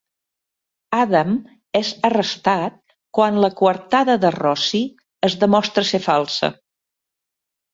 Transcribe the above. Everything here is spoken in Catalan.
Adam és arrestat quan la coartada de Rosie es demostra ser falsa.